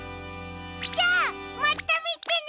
じゃあまたみてね！